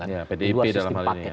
ya pdip dalam hal ini ya